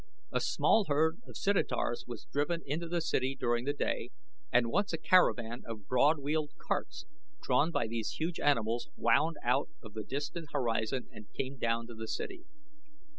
A small herd of zitidars was driven into the city during the day, and once a caravan of broad wheeled carts drawn by these huge animals wound out of the distant horizon and came down to the city.